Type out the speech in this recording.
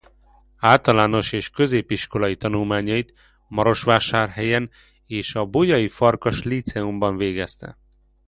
Általános- és középiskolai tanulmányait Marosvásárhelyen a Bolyai Farkas Líceumban végezte.